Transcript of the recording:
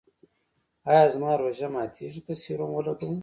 ایا زما روژه ماتیږي که سیروم ولګوم؟